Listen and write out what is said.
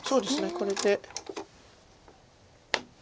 これで。